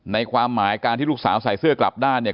ความหมายการที่ลูกสาวใส่เสื้อกลับด้านเนี่ย